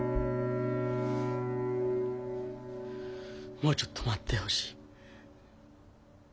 もうちょっと待ってほしい。